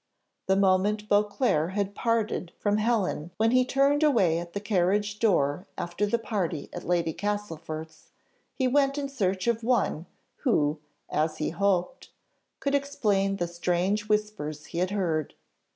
The moment Beauclerc had parted from Helen when he turned away at the carriage door after the party at Lady Castlefort's he went in search of one, who, as he hoped, could explain the strange whispers he had heard.